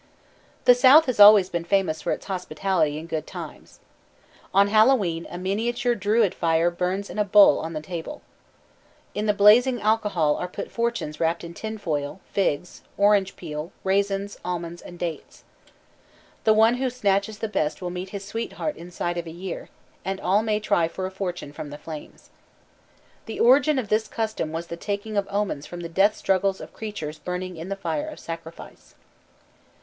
The South has always been famous for its hospitality and good times. On Hallowe'en a miniature Druid fire burns in a bowl on the table. In the blazing alcohol are put fortunes wrapped in tin foil, figs, orange peel, raisins, almonds, and dates. The one who snatches the best will meet his sweetheart inside of a year, and all may try for a fortune from the flames. The origin of this custom was the taking of omens from the death struggles of creatures burning in the fire of sacrifice.